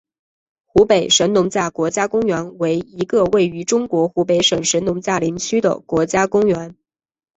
湖北神农架国家公园为一个位于中国湖北省神农架林区的国家公园。